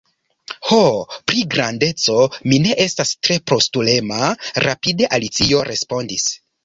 "Ho, pri grandeco, mi ne estas tre postulema," rapide Alicio respondis. "